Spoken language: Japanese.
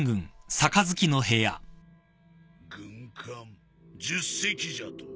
軍艦１０隻じゃと？